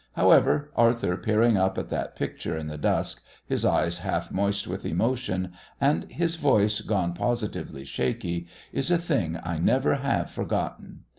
However, Arthur peering up at that picture in the dusk, his eyes half moist with emotion, and his voice gone positively shaky, is a thing I never have forgotten.